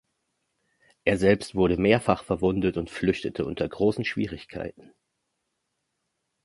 Er selbst wurde mehrfach verwundet und flüchtete unter großen Schwierigkeiten.